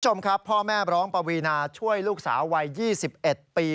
คุณผู้ชมครับพ่อแม่ร้องปวีนาช่วยลูกสาววัย๒๑ปี